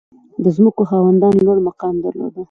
• د ځمکو خاوندان لوړ مقام درلود.